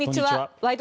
「ワイド！